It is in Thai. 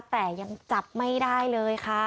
แต่ยังจับไม่ได้เลยค่ะ